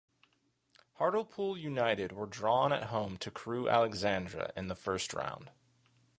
Hartlepool United were drawn at home to Crewe Alexandra in the first round.